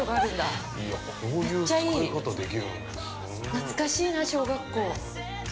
◆懐かしいな、小学校。